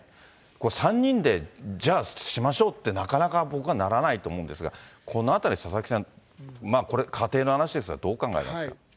これ、３人で、じゃあしましょうって、なかなか僕はならないと思うんですが、このあたり、佐々木さん、これ仮定の話ですが、どう考えますか。